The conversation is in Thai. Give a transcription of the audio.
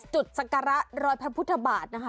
จุดสังกราศร้อยพระพุทธบาทนะคะ